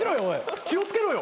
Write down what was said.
気を付けろよ